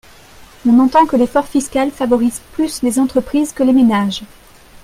On entend que l’effort fiscal favorise plus les entreprises que les ménages.